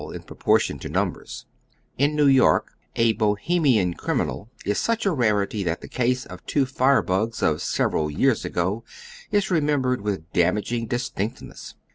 in pro portion to numbers In New York a Bohemian criminal is such a larity that the ease of two firebugs of several years ago is remembered with damaging distinctness.